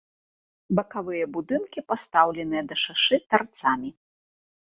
Бакавыя будынкі пастаўленыя да шашы тарцамі.